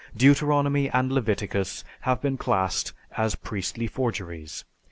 Deuteronomy and Leviticus have been classed as priestly forgeries.